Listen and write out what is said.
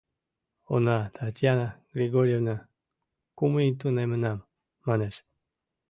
Уна Татьяна Григорьевна «Кум ий тунемынам» манеш.